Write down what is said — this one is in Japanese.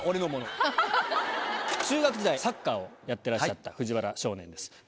中学時代サッカーをやってらっしゃった藤原少年です。